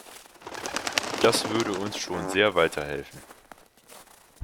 Das würde uns schon sehr weiterhelfen.